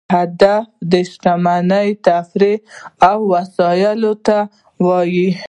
هدف د شتمنو تفریح او ساتل وو.